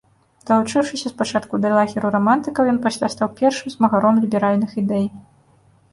Далучыўшыся спачатку да лагеру рамантыкаў, ён пасля стаў першым змагаром ліберальных ідэй.